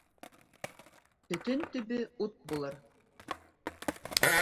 Төтөн төбө ут булыр.